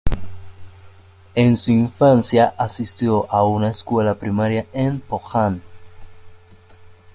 En su infancia asistió a una escuela primaria en Pohang.